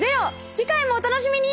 次回もお楽しみに！